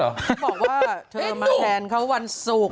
เป็นว่าเธอมาแทนเขาวันสุก